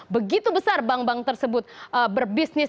begitu besar bank bank tersebut berbisnis